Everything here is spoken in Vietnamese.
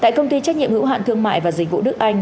tại công ty trách nhiệm hữu hạn thương mại và dịch vụ đức anh